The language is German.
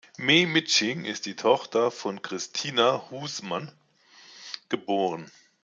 May-Mitsching ist die Tochter von Christina Husemann, geb.